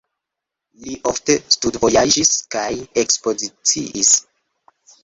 Li ofte studvojaĝis kaj ekspoziciis.